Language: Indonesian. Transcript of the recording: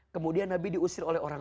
kemudian nabi diusirkan ke kota taif